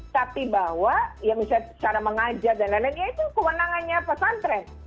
tapi bahwa ya misalnya cara mengajar dan lain lain ya itu kewenangannya pesantren